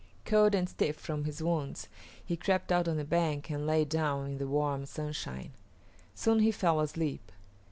Cold and stiff from his wounds, he crept out on the bank and lay down in the warm sunshine. Soon he fell asleep.